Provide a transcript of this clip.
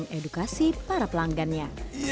untuk mengedulkan para pelanggannya